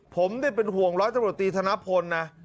ผมเป็นห่วงร้อยตำรวจตีธนพลนะ